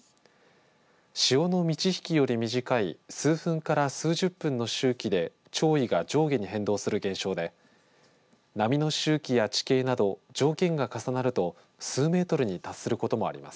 潮の満ち引きより短い数分から数十分の周期で潮位が上下に変動する現象で波の周期や地形など条件が重なると数メートルに達することもあります。